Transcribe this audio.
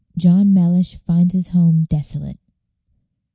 JOHN MELLISH FINDS HIS HOME DESOLATE.